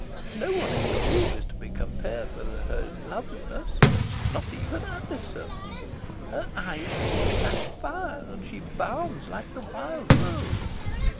No one in the room is to be compared with her in loveliness not even Alizon. Her eyes seem to flash fire, and she bounds like the wild roe."